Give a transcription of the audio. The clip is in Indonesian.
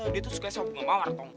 dia tuh suka sama bunga mawar tong